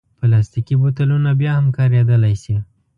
پلاستيکي بوتلونه بیا هم کارېدلی شي.